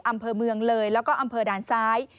อำเภอเมืองเลยแล้วก็อำเภอด่านซ้าย